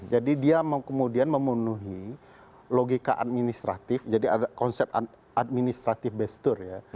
jadi dia mau kemudian memenuhi logika administratif jadi ada konsep administratif bestur ya